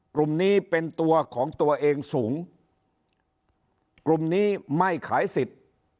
กลุ่มนี้เป็นตัวของตัวเองสูงกลุ่มนี้ไม่ขายสิทธิ์